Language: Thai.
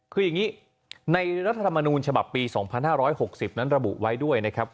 คืออย่างนี้ในรัฐธรรมนูญฉบับปี๒๕๖๐นั้นระบุไว้ด้วยนะครับ